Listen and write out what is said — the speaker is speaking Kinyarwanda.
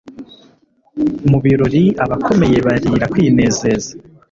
mu birori, abakomeye barira kwinezeza